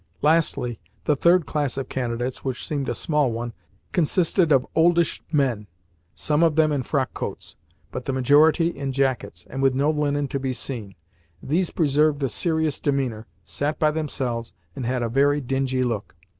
Lastly, the third class of candidates (which seemed a small one) consisted of oldish men some of them in frock coats, but the majority in jackets, and with no linen to be seen. These preserved a serious demeanour, sat by themselves, and had a very dingy look.